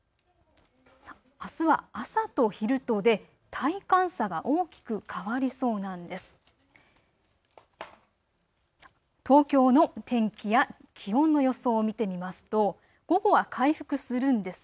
あすは朝と昼とで体感差が大きく変わりそうなんです。